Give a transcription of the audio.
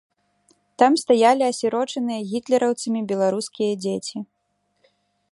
Там стаялі асірочаныя гітлераўцамі беларускія дзеці.